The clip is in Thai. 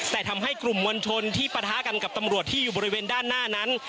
แต่ทำให้กลุ่มมวลชนที่ปะทะกันกับตำรวจที่อยู่บริเวณด้านหน้านั้น